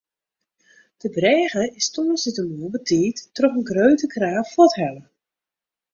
De brêge is tongersdeitemoarn betiid troch in grutte kraan fuorthelle.